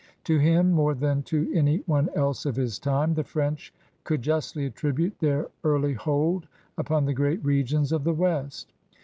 To him, more than to any one else of his time, the French could justly attribute their early hold upon the great regions of the West.